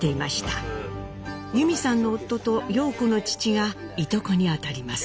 由美さんの夫と陽子の父がいとこに当たります。